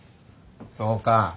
そうか。